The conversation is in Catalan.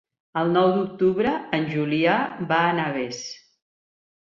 El nou d'octubre en Julià va a Navès.